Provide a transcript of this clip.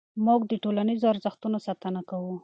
موږ د ټولنیزو ارزښتونو ساتنه کوو.